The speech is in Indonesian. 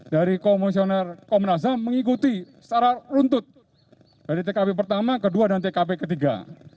dari komisioner komnas ham mengikuti secara runtut dari tkp pertama kedua dan tkp ketiga